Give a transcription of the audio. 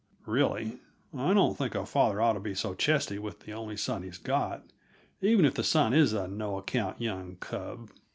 Really, I don't think a father ought to be so chesty with the only son he's got, even if the son is a no account young cub.